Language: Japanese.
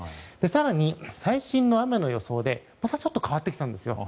更に、最新の雨の予想でまたちょっと変わってきました。